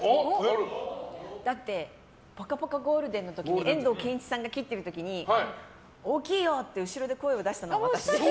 だって「ぽかぽかゴールデン」の時に遠藤憲一さんが切ってる時に大きいよって後ろで声を出したのが私です。